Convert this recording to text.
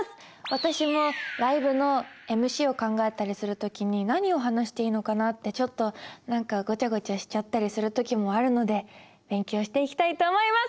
私もライブのＭＣを考えたりする時に何を話していいのかなってちょっと何かごちゃごちゃしちゃったりする時もあるので勉強していきたいと思います！